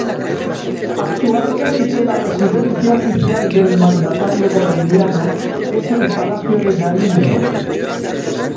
Actualmente la residencia oficial del mandatario colombiano es el Palacio de Nariño.